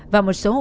và một số hội sở